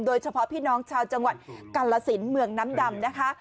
โดยเฉพาะพี่น้องชาวจังหวัดกาลสินเมืองน้ำดำนะคะ